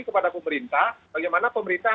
kepada pemerintah bagaimana pemerintah